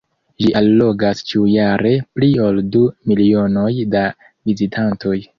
Ĝi allogas ĉiujare pli ol du milionoj da vizitantoj.